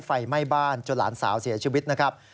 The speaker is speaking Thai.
ไฟไหม้บ้านจนหลานสาวเสียชีวิตนะครับ